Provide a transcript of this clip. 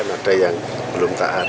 ada yang belum tahan